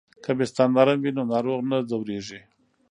که بستر نرم وي نو ناروغ نه ځورېږي.